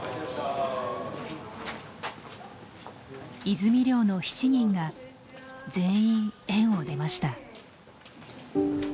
泉寮の７人が全員園を出ました。